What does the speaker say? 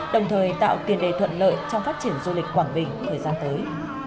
đồng thời tạo tiền đề thuận lợi trong phát triển du lịch quảng bình thời gian tới